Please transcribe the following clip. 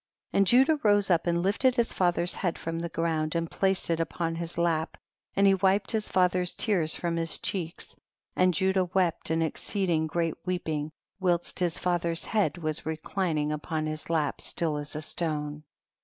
32. And Judah rose up and lifted his father's head from the ground, and placed it upon his lap, and he wiped his father's tears from his cheeks, and Judah wept an exceed ing great weeping, whilst his father's head was reclining upon his lap, still as a stone.